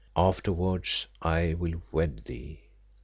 Afterwards I will wed thee."